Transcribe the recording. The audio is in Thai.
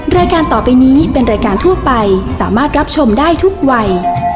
รายการต่อไปนี้เป็นรายการทั่วไปสามารถรับชมได้ทุกวัย